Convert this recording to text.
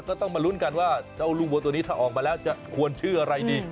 ก็ต้องมาลุ้นกันว่าเจ้าลูกวัวตัวนี้ถ้าออกมาแล้วจะควรชื่ออะไรดี